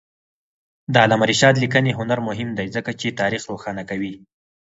د علامه رشاد لیکنی هنر مهم دی ځکه چې تاریخ روښانه کوي.